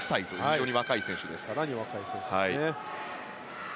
更に若い選手ですね。